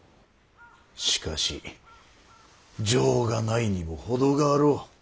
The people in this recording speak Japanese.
しかし情がないにも程があろう。